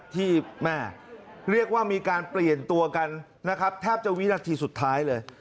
ที่แม่เรียกว่ามีการเปลี่ยนตัวกันนะครับแทบจะวินาทีสุดท้ายเลย